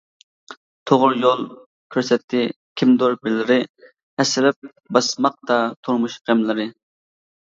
توغرا يول كۆرسەتتى كىمدۇر بىرلىرى، ھەسسىلەپ باسماقتا تۇرمۇش غەملىرى.